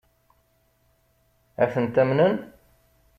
Ad tent-amnen?